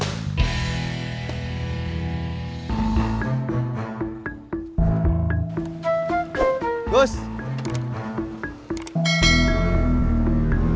terima kasih bang